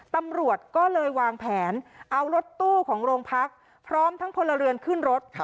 ตำรวจก็เลยวางแผนเอารถตู้ของโรงพักพร้อมทั้งพลเรือนขึ้นรถ